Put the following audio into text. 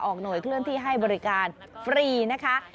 หน่วยเคลื่อนที่ให้บริการฟรีนะคะ